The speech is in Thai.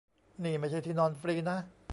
นี่ไม่ใช่ที่นอนฟรีนะ